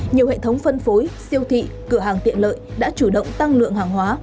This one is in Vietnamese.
nhiều hệ thống phân phối siêu thị cửa hàng tiện lợi đã chủ động tăng lượng hàng hóa